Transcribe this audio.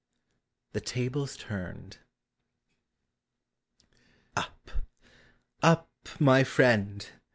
Till : TABLES TURNED. Ur! up, my friend!